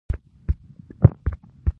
نو ستوري هم نه شي لیدلی.